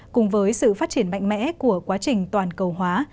cùng với sự phát triển mạnh mẽ của quá trình toàn cầu hóa